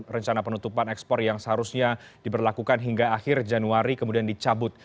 rencana penutupan ekspor yang seharusnya diberlakukan hingga akhir januari kemudian dicabut